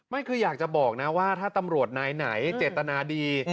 ไม่คืออยากจะบอกนะว่าถ้าตำรวจนายไหนเจตนาดี